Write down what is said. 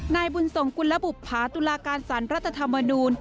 นายบุญสงค์กุณฑบภาตุลาการสารวัฒนธรรมนูน